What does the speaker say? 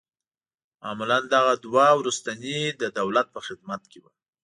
معمولاً دغه دوه وروستني د دولت په خدمت کې وه.